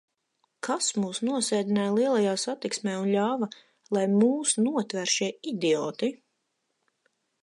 Kas mūs nosēdināja lielajā satiksmē un ļāva, lai mūs notver šie idioti?